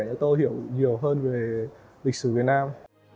hết tố hiểu nhiều hơn về lịch sử việt nam